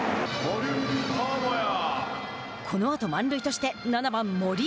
このあと満塁として７番、森。